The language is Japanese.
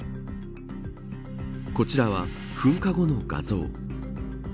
こちらは、噴火後の画像。